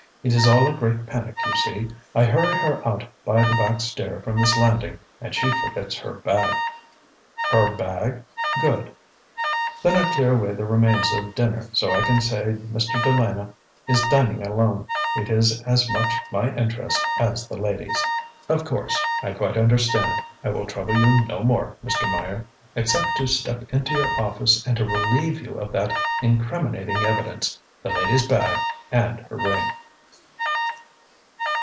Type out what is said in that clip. ŌĆ£It is all a great panic, you see. I hurry her out by the back stair from this landing and she forgets her bag. ŌĆØ ŌĆ£Her bag? Good.ŌĆØ ŌĆ£Then I clear away the remains of dinner so I can say Mr. De Lana is dining alone. It is as much my interest as the lady's. ŌĆØ ŌĆ£Of course! I quite understand. I will trouble you no more, Mr. Meyer, except to step into your office and to relieve you of that incriminating evidence, the lady's bag and her ring.